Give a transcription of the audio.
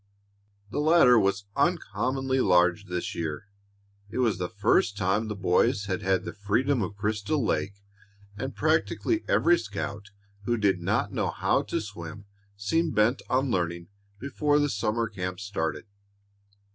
The latter was uncommonly large this year. It was the first time the boys had had the freedom of Crystal Lake, and practically every scout who did not know how to swim seemed bent on learning before the summer camp started.